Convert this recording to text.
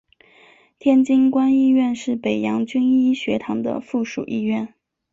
天津官医院是北洋军医学堂的附属医院。